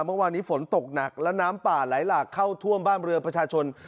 เมื่อวานนี้ฝนตกหนักและน้ำป่าไหลหลากเข้าท่วมบ้านเรือประชาชน